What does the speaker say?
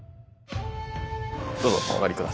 どうぞお上がり下さい。